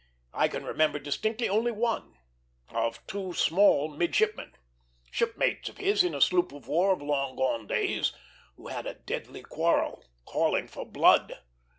I can remember distinctly only one, of two small midshipmen, shipmates of his in a sloop of war of long gone days, who had a deadly quarrel, calling for blood.